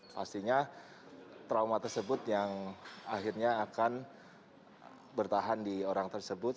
pastinya trauma tersebut yang akhirnya akan bertahan di orang tersebut